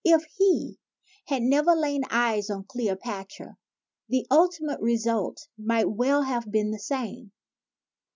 If he had never laid eyes on Cleopatra, the ultimate result might well have been the same.